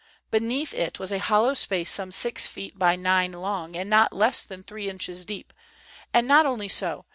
Beneath it was a hollow space some six feet by nine long, and not less than three inches deep. And not only so.